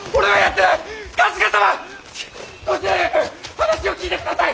話を聞いて下さい！